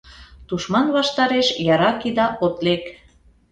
Тушман ваштареш яракида от лек.